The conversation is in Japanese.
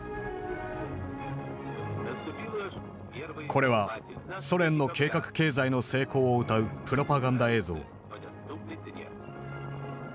これはソ連の計画経済の成功をうたうプロパガンダ映像。